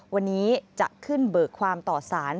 วันนี้จะขึ้นเบิกความต่อสาร